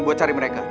buat cari mereka